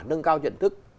nâng cao nhận thức